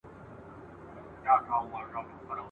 چي یې وکتل تر شا زوی یې کرار ځي ..